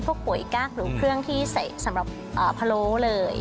ปุ๋ยกั๊กหรือเครื่องที่ใส่สำหรับพะโล้เลย